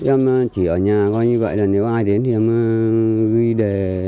em chỉ ở nhà coi như vậy là nếu ai đến thì em ghi để